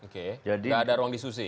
tidak ada ruang diskusi